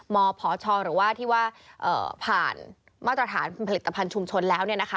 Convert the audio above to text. มพชหรือว่าที่ว่าผ่านมาตรฐานผลิตภัณฑ์ชุมชนแล้ว